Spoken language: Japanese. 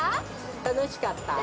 楽しかった？